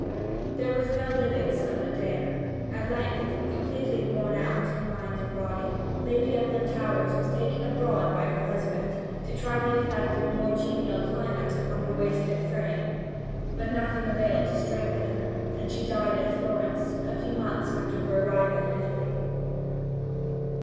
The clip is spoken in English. There was no living son and heir. At length, completely worn out in mind and body, Lady Uplandtowers was taken abroad by her husband, to try the effect of a more genial climate upon her wasted frame. But nothing availed to strengthen her, and she died at Florence, a few months after her arrival in Italy.